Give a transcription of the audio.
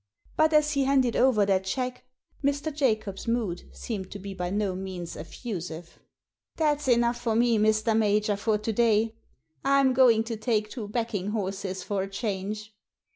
But as he handed over that cheque Mr. Jacob's mood seemed to be by no means effusive. " Thaf s enough for me, Mr. Major, for to day. I'm going to take to backing horses for a change."